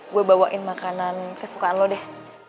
gue bawain makanan kesukaan lo deh